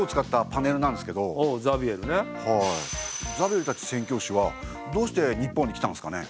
ザビエルたち宣教師はどうして日本に来たんすかね？